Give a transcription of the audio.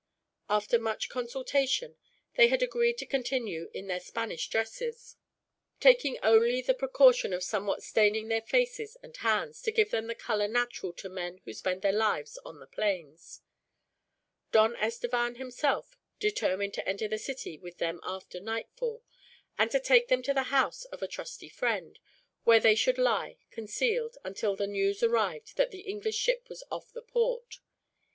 After much consultation, they had agreed to continue in their Spanish dresses, taking only the precaution of somewhat staining their faces and hands, to give them the color natural to men who spend their lives on the plains. Don Estevan, himself, determined to enter the city with them after nightfall; and to take them to the house of a trusty friend, where they should lie, concealed, until the news arrived that the English ship was off the port.